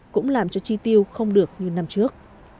cũng làm cho chi tiêu không được như năm trước